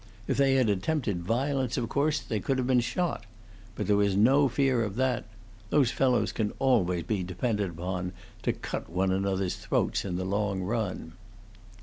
If they had attempted violence, of course they could have been shot. But there was no fear of that. Those fellows can always be depended upon to cut one another's throats in the long run."